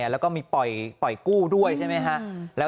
แล้วก็มีปล่อยกู้ด้วยใช่ไหมฮะ